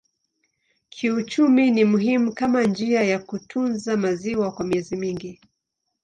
Kiuchumi ni muhimu kama njia ya kutunza maziwa kwa miezi mingi.